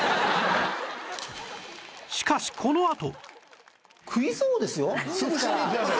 しかしこのあと